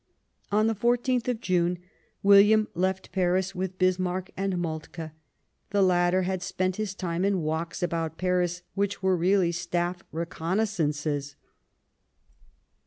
On the 14th of June, William left Paris with Bismarck and Moltke ; the latter had spent his time in walks about Paris which were really Staff recon naissances.